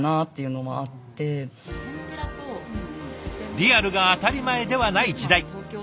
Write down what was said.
リアルが当たり前ではない時代。